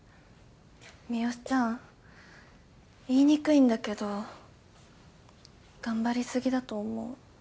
三好ちゃん言いにくいんだけど頑張りすぎだと思う。